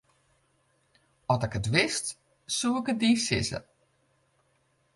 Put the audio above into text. As ik it wist, soe ik it dy sizze.